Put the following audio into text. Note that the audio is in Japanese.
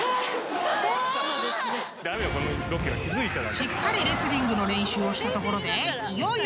［しっかりレスリングの練習をしたところでいよいよ］